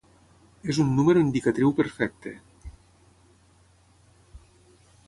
És un número indicatriu perfecte.